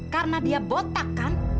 karena dia botak kan